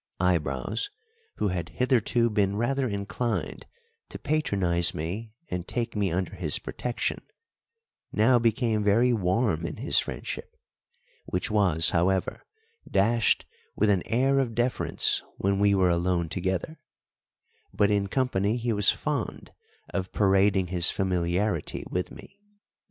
Eyebrows, who had hitherto been rather inclined to patronise me and take me under his protection, now became very warm in his friendship, which was, however, dashed with an air of deference when we were alone together, but in company he was fond of parading his familiarity with me.